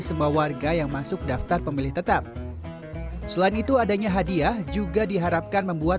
semua warga yang masuk daftar pemilih tetap selain itu adanya hadiah juga diharapkan membuat